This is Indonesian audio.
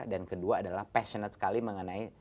dan kedua adalah passionate sekali mengenai subjeknya dia